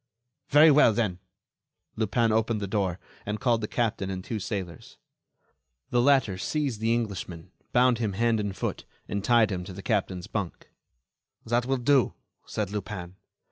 "Very well, then." Lupin opened the door and called the captain and two sailors. The latter seized the Englishman, bound him hand and foot, and tied him to the captain's bunk. "That will do," said Lupin.